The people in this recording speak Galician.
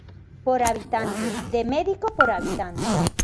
Por habitante, de médico por habitante.